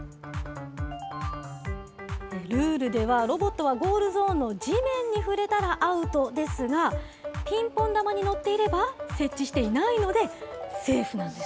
ルールでは、ロボットはゴールゾーンの地面に触れたらアウトですが、ピンポン球にのっていれば、接地していないのでセーフなんです。